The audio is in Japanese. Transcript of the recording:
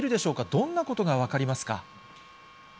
どんなことが分かりますか。